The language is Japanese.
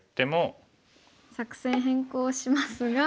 作戦変更しますが。